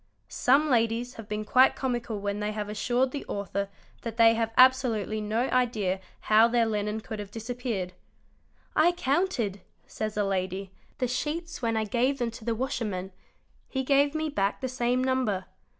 Some ladies have been quite comical when they have assured the author that they had absolutely no idea how their linen could have disappeared; "I counted"', says a lady, "the sheets when I § gave them to the washerman; he gave me back the same number.